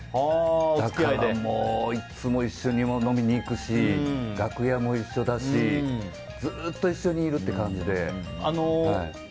だから、もういつも一緒に飲みに行くし楽屋も一緒だしずっと一緒にいるって感じで。